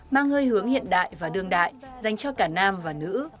mang hơi hướng hiện đại và đương đại dành cho cả nam và nữ